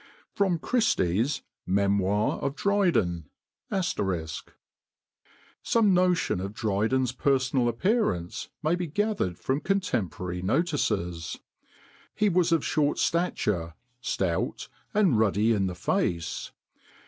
[Sidenote: Christie's Memoir of Dryden. *] "Some notion of Dryden's personal appearance may be gathered from contemporary notices. He was of short stature, stout, and ruddy in the face.